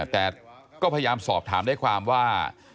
แต่ก็พยายามสอบถามได้ความว่า